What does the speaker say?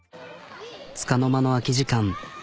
つかの間の空き時間。